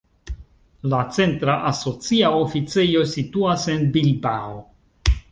La centra asocia oficejo situas en Bilbao.